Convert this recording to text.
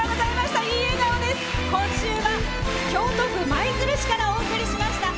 今週は京都府舞鶴市からお送りしました。